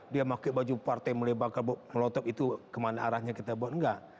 dia memakai baju partai melotot itu kemana arahnya kita buat enggak